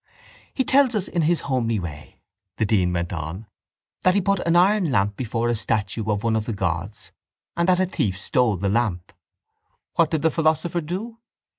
—He tells us in his homely way, the dean went on, that he put an iron lamp before a statue of one of the gods and that a thief stole the lamp. What did the philosopher do?